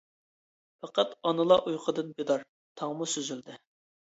پەقەت ئانىلا ئۇيقۇدىن بىدار. تاڭمۇ سۈزۈلدى.